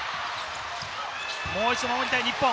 もう一度守りたい日本。